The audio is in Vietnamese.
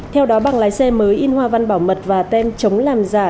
theo đó bằng lái xe mới in hoa văn bảo mật và tem chống làm giả